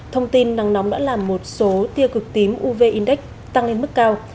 thông tin nắng nóng đã làm một số tia cực tím uv index tăng lên mức cao